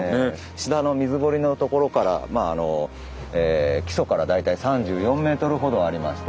下の水堀のところからまああの基礎から大体３４ｍほどありまして。